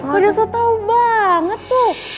gue udah so tau banget tuh